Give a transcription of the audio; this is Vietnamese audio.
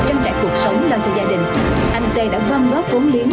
trên trại cuộc sống lo cho gia đình anh tê đã gom góp vốn liếng